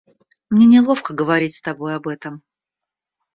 Мне неловко говорить с тобой об этом.